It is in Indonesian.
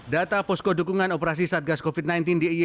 data posko dukungan operasi satgas covid sembilan belas dia